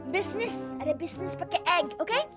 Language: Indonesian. bisnis ada bisnis pake egg oke